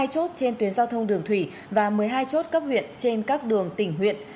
hai chốt trên tuyến giao thông đường thủy và một mươi hai chốt cấp huyện trên các đường tỉnh huyện